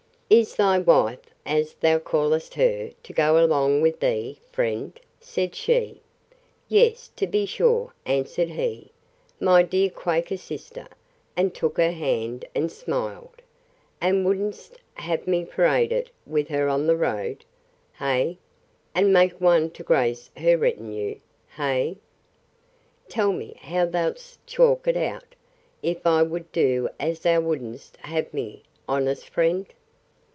Is thy wife, as thou callest her, to go along with thee, friend? said she. Yes, to be sure, answered he, my dear Quaker sister; and took her hand, and smiled. And would'st have me parade it with her on the road?—Hey?—And make one to grace her retinue?—Hey? Tell me how thoud'st chalk it out, if I would do as thou would'st have me, honest friend?